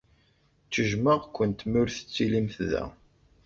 Ttejjmeɣ-kent mi ur tettilimt da.